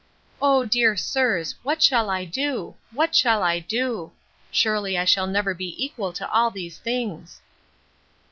O dear sirs! what shall I do! What shall I do!—Surely, I shall never be equal to all these things!